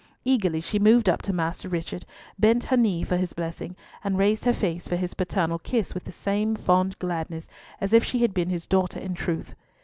Eagerly she moved up to Master Richard, bent her knee for his blessing, and raised her face for his paternal kiss with the same fond gladness as if she had been his daughter in truth.